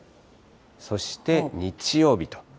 そして日曜日と。